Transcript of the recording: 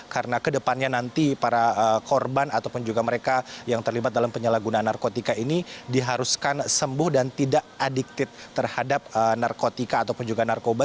karena kedepannya nanti para korban ataupun juga mereka yang terlibat dalam penyalahgunaan narkotika ini diharuskan sembuh dan tidak adiktif terhadap narkotika ataupun juga narkoba